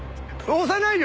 押さないよ。